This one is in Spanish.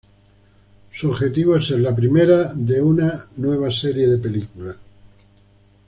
Su objetivo es ser la primera de una nueva serie de películas.